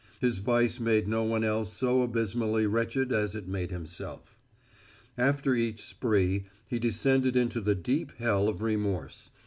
His vice made no one else so abysmally wretched as it made himself. After each spree he descended into the deep hell of remorse.